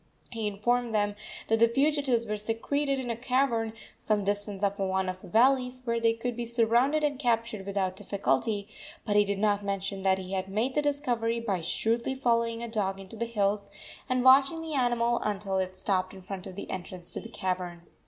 He informed them that the fugitives were secreted in a cavern some distance up one of the valleys, where they could be surrounded and captured without difficulty; but he did not mention that he had made the discovery by shrewdly following a dog into the hills, and watching the animal until it stopped in front of the entrance to the cavern.